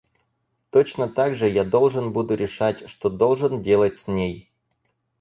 Точно так же я должен буду решать, что должен делать с ней.